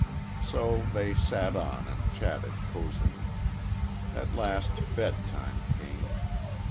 So they sat on and chatted cosily. At last, bedtime came.